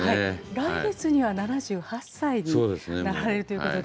来月には７８歳になられるということで。